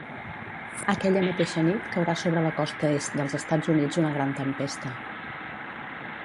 Aquella mateixa nit caurà sobre la costa est dels Estats Units una gran tempesta.